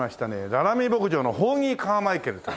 『ララミー牧場』のホーギー・カーマイケルと。